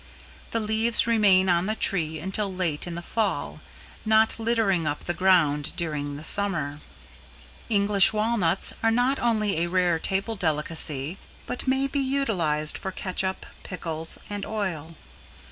The leaves remain on the tree until late in the Fall, not littering up the ground during the Summer. English Walnuts are not only a rare table delicacy, but may be utilized for catsup, pickles and oil.